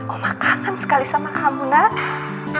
oma kangen sekali sama kamu nak